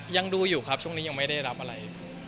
ยังดูอยู่ครับช่วงนี้ยังไม่ได้รับอะไร